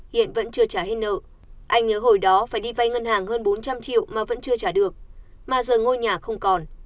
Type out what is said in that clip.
hiện vẫn chưa trả hết nợ anh nhớ hồi đó phải đi vay ngân hàng hơn bốn trăm linh triệu mà vẫn chưa trả được mà giờ ngôi nhà không còn